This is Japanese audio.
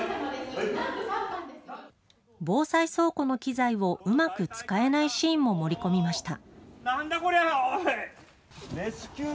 防災倉庫の機材をうまく使えないシーンも盛り込みました。